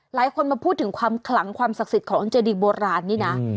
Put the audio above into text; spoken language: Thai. หลายคนมาพูดถึงความขลังความศักดิ์สิทธิ์ของเจดีโบราณนี่นะ